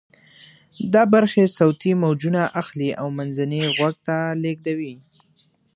دا برخې صوتی موجونه اخلي او منځني غوږ ته لیږدوي.